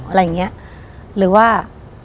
อะไรอย่างนี้หรือว่า